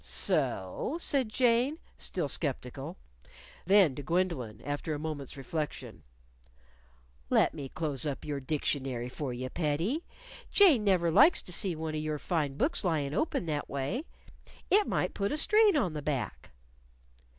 "So?" said Jane, still sceptical. Then to Gwendolyn, after a moment's reflection. "Let me close up your dictionary for you, pettie. Jane never likes to see one of your fine books lyin' open that way. It might put a strain on the back."